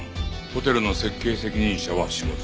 ホテルの設計責任者は下津。